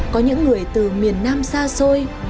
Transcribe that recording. có những người từ miền nam xa xôi